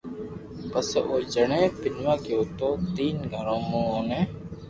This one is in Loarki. پسي او جڻي پينوا گيو تو تين گھرو مون اوني